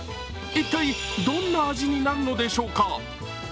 一体どんな味になるのでしょうか。